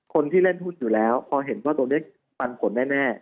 คนที่เล่นหุ้นอยู่แล้วพอเห็นว่าตรงนี้ปันผลแน่